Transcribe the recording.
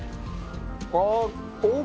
「あっ！